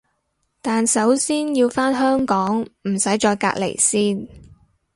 但首先要返香港唔使再隔離先